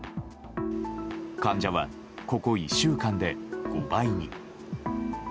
患者はここ１週間で５倍に。